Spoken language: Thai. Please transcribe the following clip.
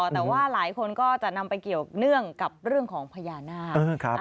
แต่ว่าหลายคนก็จะนำไปเกี่ยวเนื่องกับเรื่องของพญานาค